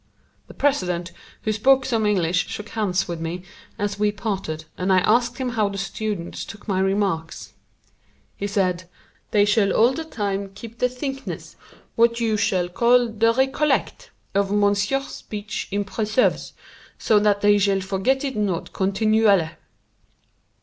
The president, who spoke some English, shook hands with me as we parted, and I asked him how the students took my remarks. He said: "They shall all the time keep the thinkness what you shall call the recollect of monsieur's speech in preserves, so that they shall forget it not continualle.